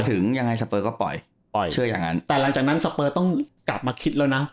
ถึงยังไงสเปอร์ก็ปล่อยปล่อยเชื่ออย่างนั้นแต่หลังจากนั้นสเปอร์ต้องกลับมาคิดแล้วนะ